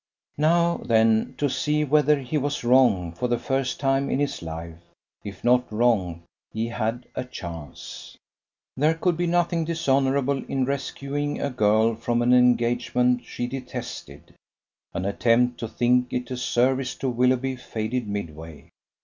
Now, then, to see whether he was wrong for the first time in his life! If not wrong, he had a chance. There could be nothing dishonourable in rescuing a girl from an engagement she detested. An attempt to think it a service to Willoughby faded midway.